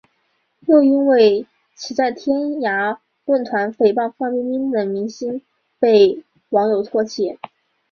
又因为其在天涯论坛诽谤范冰冰等明星被网友唾弃。